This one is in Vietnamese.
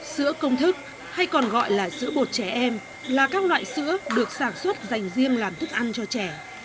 sữa công thức hay còn gọi là sữa bột trẻ em là các loại sữa được sản xuất dành riêng làm thức ăn cho trẻ